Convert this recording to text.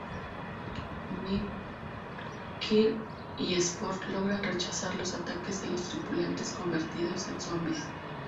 Kirk y Spock logran rechazar los ataques de los tripulantes convertidos en zombies.